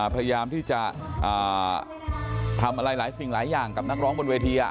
พยายามที่จะทำอะไรหลายสิ่งหลายอย่างกับนักร้องบนเวที